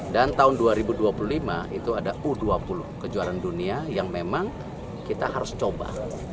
dan tahun dua ribu dua puluh lima itu ada u dua puluh kejuaraan dunia yang memang kita harus coba